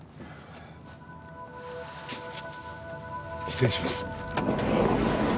失礼します。